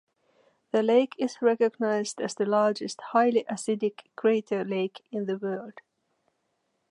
The lake is recognised as the largest highly acidic crater lake in the world.